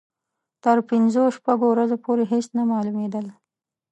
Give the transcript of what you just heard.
تر پنځو شپږو ورځو پورې هېڅ نه معلومېدل.